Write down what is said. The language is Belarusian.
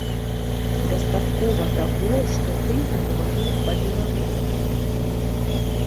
Дастаткова таго, што ты загаварыў па-беларуску.